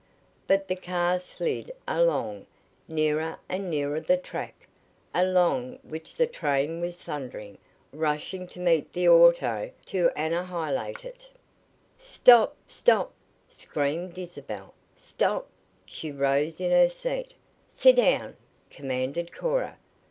But the car slid along, nearer and nearer the track, along which the train was thundering rushing to meet the auto to annihilate it. "Stop! Stop!" screamed Isabel. "Stop!" She rose in her seat. "Sit down!" commanded Cora.